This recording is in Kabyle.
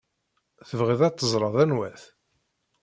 Tebɣiḍ ad teẓreḍ anwa-t?